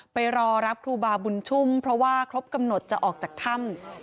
ไปรอรับครูบาบุญชุ่มเพราะว่าครบกำหนดจะออกจากถ้ำ